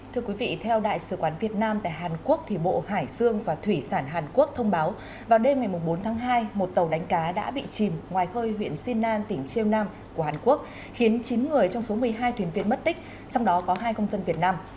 thưa quý vị theo đại sứ quán việt nam tại hàn quốc bộ hải dương và thủy sản hàn quốc thông báo vào đêm ngày bốn tháng hai một tàu đánh cá đã bị chìm ngoài khơi huyện sina tỉnh chiêng nam của hàn quốc khiến chín người trong số một mươi hai thuyền viên mất tích trong đó có hai công dân việt nam